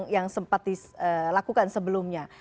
yang sempat dilakukan sebelumnya